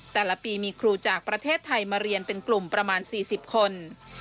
แต่ละปีมีครูจากประเทศไทยมาเรียนเป็นกลุ่มประมาณ๔๐คน